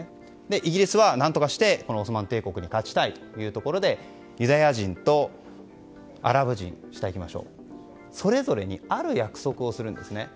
イギリスは何とかしてオスマン帝国に勝ちたいというところでユダヤ人とアラブ人それぞれにある約束をするんです。